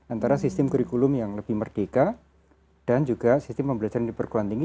antara sistem kurikulum yang lebih merdeka dan juga sistem pembelajaran di perguruan tinggi